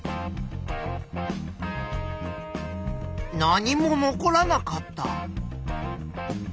何も残らなかった。